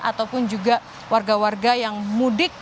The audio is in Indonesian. ataupun juga warga warga yang mudik